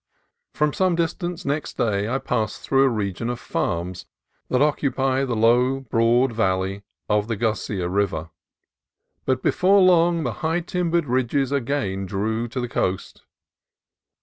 For some distance next day I passed through a region of farms that occupy the low, broad valley of the Garcia River. But before long the high tim bered ridges again drew to the coast.